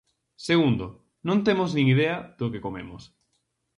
Segundo: non temos nin idea do que comemos.